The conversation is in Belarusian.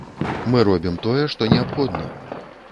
Мы робім тое, што неабходна.